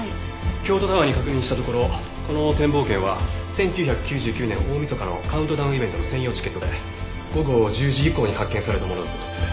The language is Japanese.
京都タワーに確認したところこの展望券は１９９９年大みそかのカウントダウンイベントの専用チケットで午後１０時以降に発券されたものだそうです。